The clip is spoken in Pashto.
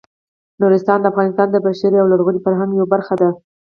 نورستان د افغانستان د بشري او لرغوني فرهنګ یوه برخه ده.